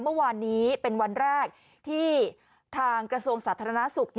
เมื่อวานนี้เป็นวันแรกที่ทางกระทรวงสาธารณสุข